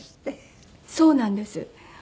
そうなんです。